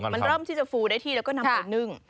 มันเริ่มที่จะฟูได้ที่แล้วก็นำไปนึ่ง